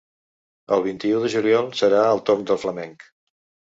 El vint-i-u de juliol serà el torn del flamenc.